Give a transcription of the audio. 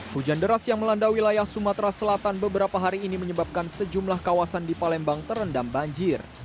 hujan deras yang melanda wilayah sumatera selatan beberapa hari ini menyebabkan sejumlah kawasan di palembang terendam banjir